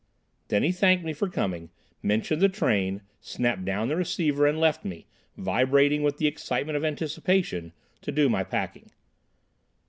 Then he thanked me for coming, mentioned the train, snapped down the receiver, and left me, vibrating with the excitement of anticipation, to do my packing.